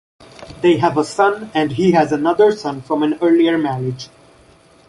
They have a son, and he has another son from an earlier marriage.